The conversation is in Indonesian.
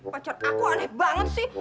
pacar aku aneh banget sih